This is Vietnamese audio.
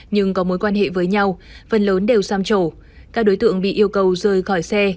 nhưng có mối quan hệ với nhau phần lớn đều sam trổ các đối tượng bị yêu cầu rời khỏi xe